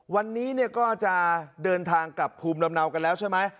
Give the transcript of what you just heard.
วันนี้ก็จะเดินทางกลับภูมิลำเนากันแล้วใช่ไหม